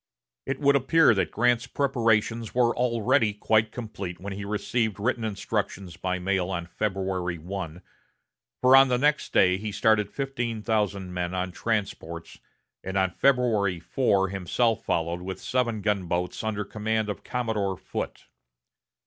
It would appear that Grant's preparations were already quite complete when he received written instructions by mail on February 1, for on the next day he started fifteen thousand men on transports, and on February 4 himself followed with seven gunboats under command of Commodore Foote.